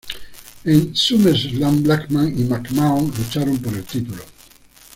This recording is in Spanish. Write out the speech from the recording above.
En SummerSlam, Blackman y McMahon lucharon por el título.